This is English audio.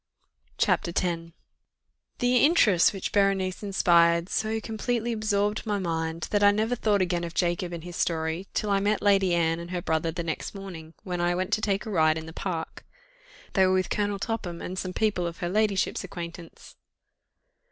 CHAPTER X The interest which Berenice inspired, so completely absorbed my mind, that I never thought again of Jacob and his story, till I met Lady Anne and her brother the next morning, when I went to take a ride in the park: they were with Colonel Topham, and some people of her ladyship's acquaintance.